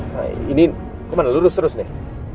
nah ini kemana lurus terus nih